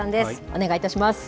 お願いいたします。